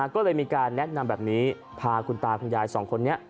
ก็เลยมีการแนะนำแบบนี้พาคุณตาคุณยายสองคนนี้